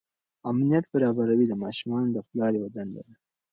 امنیت برابروي د ماشومانو د پلار یوه دنده ده.